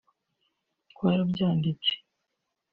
twarabyanditse